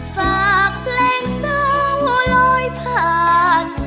ฝากเพลงเซาโรยผ่าน